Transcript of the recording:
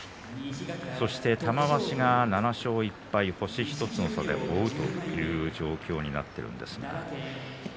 そして玉鷲が７勝１敗星１つの差で追うという状況になっています。